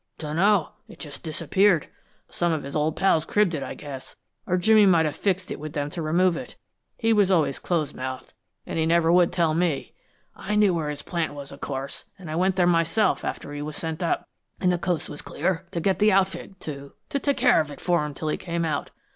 "Dunno. It just disappeared. Some of his old pals cribbed it, I guess, or Jimmy may have fixed it with them to remove it. He was always close mouthed, and he never would tell me. I knew where his plant was, of course, and I went there myself, after he was sent up and the coast was clear, to get the outfit, to to take care of it for him until he came out.